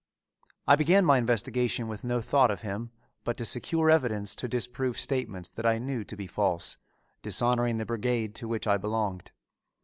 I began my investigation with no thought of him but to secure evidence to disprove statements that I knew to be false, dishonoring the brigade to which I belonged.